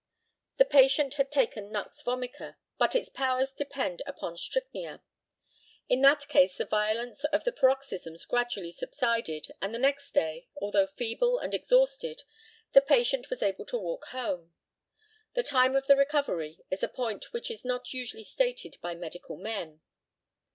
The patient had taken nux vomica, but its powers depend upon strychnia. In that case the violence of the paroxysms gradually subsided, and the next day, although feeble and exhausted, the patient was able to walk home. The time of the recovery is a point which is not usually stated by medical men.